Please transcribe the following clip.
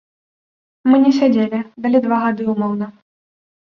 Мы не сядзелі, далі два гады ўмоўна.